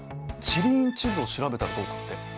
地理院地図を調べたらどうかって。